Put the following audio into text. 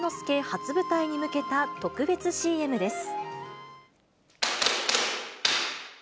初舞台に向けた特別ＣＭです。